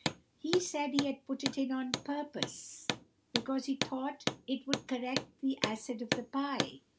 "He said he had put it in on purpose, because he thought it would correct the acid of the pie.